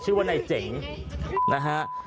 ชื่อว่านายเจ๋งนะฮะ